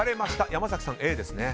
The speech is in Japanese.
山崎さん、Ａですね。